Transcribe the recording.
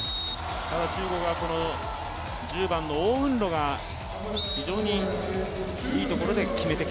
中国は、この１０番のオウ・ウンロが非常にいいところで決めて